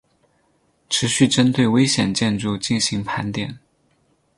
持续针对危险建筑进行盘点